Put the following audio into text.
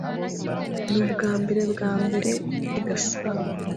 Nubwambere bwambere i Gasabo?